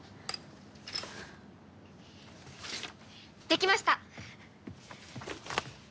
できました！